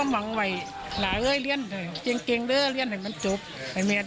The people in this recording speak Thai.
ไม่มีอะไรให้ด้วยอีก